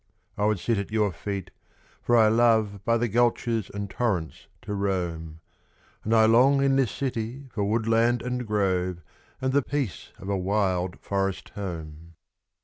I would sit at your feet, for I love By the gulches and torrents to roam; And I long in this city for woodland and grove, And the peace of a wild forest home.